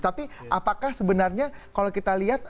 tapi apakah sebenarnya kalau kita lihat